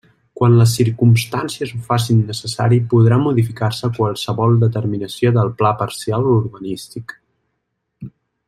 Quan les circumstàncies ho fessin necessari podrà modificar-se qualsevol determinació del Pla Parcial Urbanístic.